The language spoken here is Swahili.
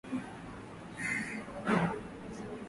kuanzia mauaji hadi uhusiano na makundi ya wanamgambo